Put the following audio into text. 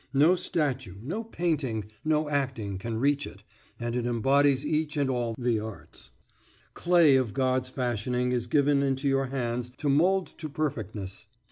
No statue, no painting, no acting, can reach it, and it embodies each and all the arts, Clay of God's fashioning is given into your hands to mould to perfectness.